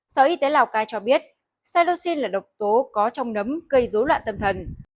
sở y tế lào cai cho biết silosin là độc tố có trong nấm gây rối loạn tâm thần